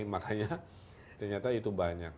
makanya ternyata itu banyak